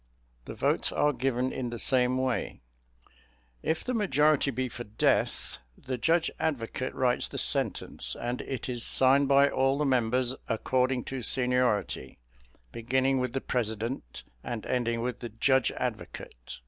The votes are given in the same way; if the majority be for death, the judge advocate writes the sentence, and it is signed by all the members, according to seniority, beginning with the president and ending with the judge advocate.